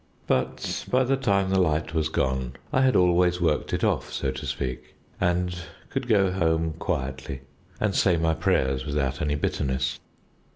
But by the time the light was gone I had always worked it off, so to speak, and could go home quietly and say my prayers without any bitterness.